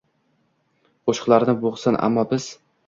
Qo’shiqlarni bo’g’sin, ammo biz